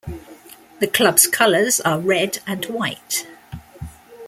The club's colours are red and white.